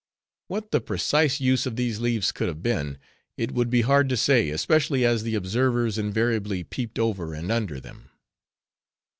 What the precise use of these leaves could have been, it would be hard to say, especially as the observers invariably peeped over and under them.